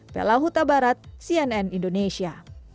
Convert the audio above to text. bella hutabarat cnn indonesia